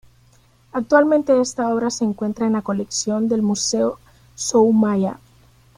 Actualmente esta obra se encuentra en la colección del Museo Soumaya.